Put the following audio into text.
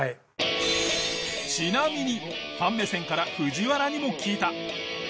ちなみにファン目線から藤原にも聞いた。